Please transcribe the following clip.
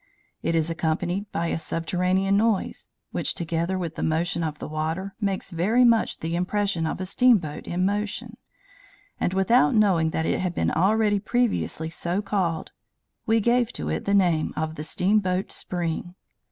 It is accompanied by a subterranean noise, which, together with the motion of the water, makes very much the impression of a steamboat in motion; and, without knowing that it had been already previously so called, we gave to it the name of the Steamboat Spring.